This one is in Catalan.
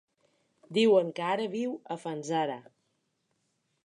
Diuen que ara viu a Fanzara.